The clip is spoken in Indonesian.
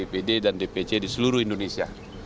dpd dan dpc di seluruh indonesia